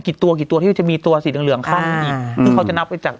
กี่ตัวที่จะมีตัวสีเหลืองเข้าไปอีก